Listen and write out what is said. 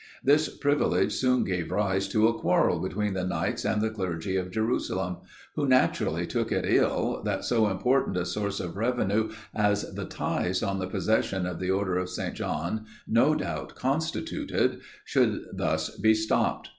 This privilege soon gave rise to a quarrel between the knights and the clergy of Jerusalem, who naturally took it ill, that so important a source of revenue, as the tithes on the possessions of the order of St. John no doubt constituted, should thus be stopped.